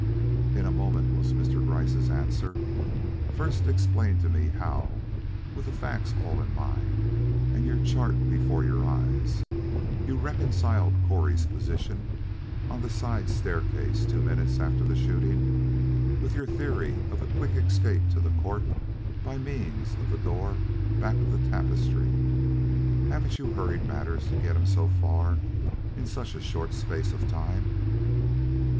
"In a moment," was Mr. Gryce's answer. "First explain to me how, with the facts all in mind, and your chart before your eyes, you reconciled Correy's position on the side staircase two minutes after the shooting with your theory of a quick escape to the court by means of the door back of the tapestry? Haven't you hurried matters to get him so far in such a short space of time?"